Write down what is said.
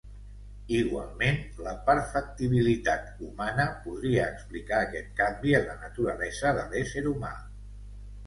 Igualment, la "perfectibilitat" humana podria explicar aquest canvi en la naturalesa de l'ésser humà.